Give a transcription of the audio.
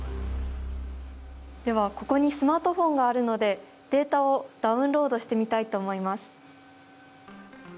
ではここにスマートフォンがあるのでデータをダウンロードしてみたいと思います。